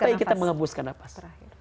sampai kita menghabiskan nafas